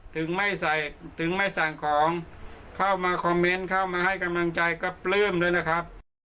ถึงไม่ใส่ถึงไม่สั่งของเข้ามาคอมเมนต์เข้ามาให้กำลังใจก็ปลื้มด้วยนะครับ